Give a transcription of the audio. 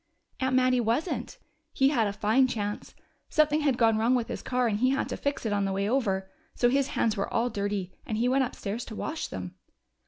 "Aunt Mattie wasn't. He had a fine chance. Something had gone wrong with his car, and he had to fix it on the way over. So his hands were all dirty, and he went upstairs to wash them."